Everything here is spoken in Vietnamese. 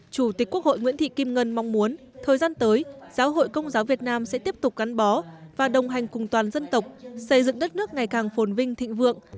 chủ tịch quốc hội nguyễn thị kim ngân mong muốn thời gian tới giáo hội công giáo việt nam sẽ tiếp tục gắn bó và đồng hành cùng toàn dân tộc xây dựng đất nước ngày càng phồn vinh thịnh vượng